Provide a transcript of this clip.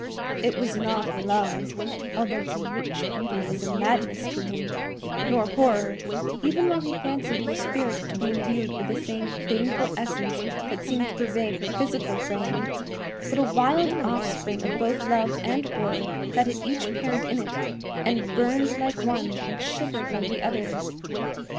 It was not love, although her rich beauty was a madness to him; nor horror, even while he fancied her spirit to be imbued with the same baneful essence that seemed to pervade her physical frame; but a wild offspring of both love and horror that had each parent in it, and burned like one and shivered like the other.